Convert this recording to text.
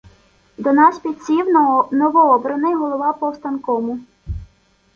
До нас підсів новообраний голова повстанкому.